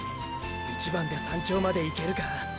一番で山頂までいけるか？